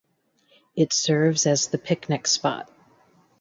It serves as the picnic spot.